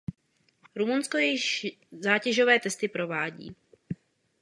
Rumunsko již zátěžové testy provádí.